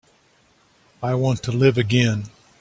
I want to live again.